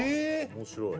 面白い。